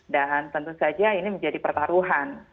dan tentu saja ini menjadi pertaruhan